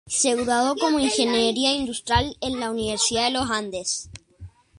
Se graduó como Ingeniera Industrial en la Universidad de Los Andes.